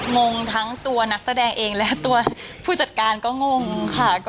งงทั้งตัวนักแสดงเองและตัวผู้จัดการก็งงค่ะ